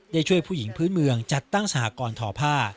ได้ช่วยผู้หญิงพื้นเมืองจัดตั้งสหกรณ์ทอผ้า